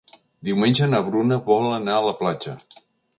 Diumenge na Bruna vol anar a la platja.